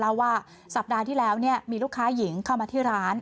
ว่าสัปดาห์ที่แล้วมีลูกค้าหญิงเข้ามาที่ร้าน